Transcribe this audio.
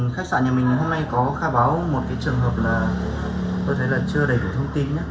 khách sạn nhà mình hôm nay có khai báo một cái trường hợp là tôi thấy là chưa đầy đủ thông tin